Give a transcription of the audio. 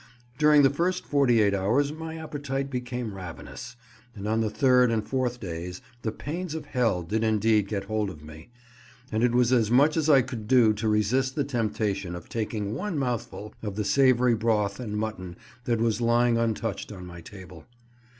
During the first 48 hours my appetite became ravenous, and on the third and fourth days the pains of hell did indeed get hold of me; and it was as much as I could do to resist the temptation of taking one mouthful of the savoury broth and mutton that was lying untouched on my table.